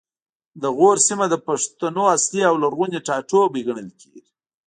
د غور سیمه د پښتنو اصلي او لرغونی ټاټوبی ګڼل کیږي